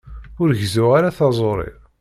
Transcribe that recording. Ur gezzuɣ ara taẓuri.